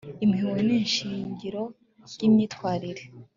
impuhwe ni ishingiro ry'imyitwarire